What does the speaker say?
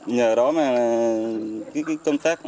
nhờ đó mà công tác